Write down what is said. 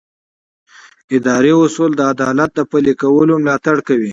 اداري اصول د عدالت د پلي کولو ملاتړ کوي.